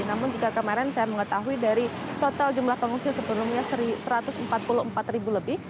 namun juga kemarin saya mengetahui dari total jumlah pengungsi sebelumnya satu ratus empat puluh empat ribu lebih